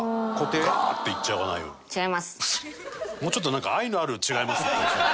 もうちょっとなんか愛のある「違います」が欲しい。